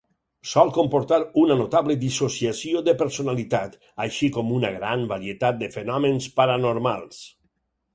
Sol comportar una notable dissociació de personalitat, així com una gran varietat de fenòmens paranormals.